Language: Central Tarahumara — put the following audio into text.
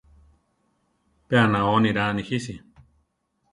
Pe anao niraa nijisi.